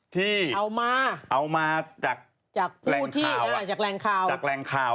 ที่เอามาจากแรงข่าว